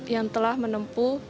yang telah menempuh